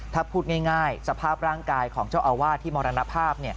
ถ้าพูดง่ายสภาพร่างกายของเจ้าอาวาสที่มรณภาพ